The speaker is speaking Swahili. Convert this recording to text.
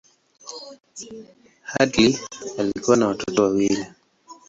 Headlee alikuwa na watoto wawili.